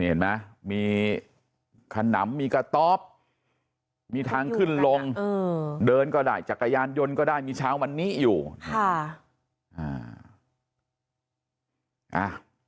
เออเดินก็ได้จักรยานยนต์ก็ได้มีชาวมันนี้อยู่ค่ะ